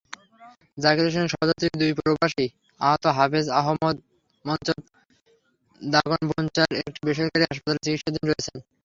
জাকির হোসেনের সহযাত্রী দুবাইপ্রবাসী আহত হাফেজ আহমঞ্চদ দাগনভূঞার একটি বেসরকারি হাসপাতালে চিকিৎসাধীন রয়েছেন।